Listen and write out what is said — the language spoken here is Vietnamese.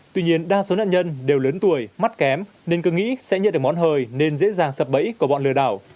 tuy nhiên đa số nạn nhân đều lớn tuổi mắt kém nên cứ nghĩ sẽ nhận được món hời nên dễ dàng sập bẫy của bọn lừa đảo